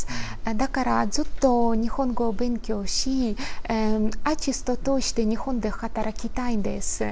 だから、ずっと日本語を勉強し、アーティストとして日本で働きたいんです。